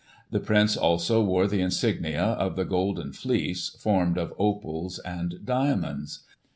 The Prince also wore the insignia of the Golden Fleece, formed of opals and diamonds.